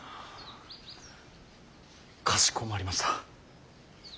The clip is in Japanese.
かしこまりました。